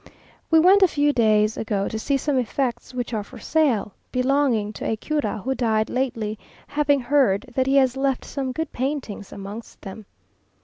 We went a few days ago to see some effects which are for sale, belonging to a cura who died lately, having heard that he has left some good paintings amongst them.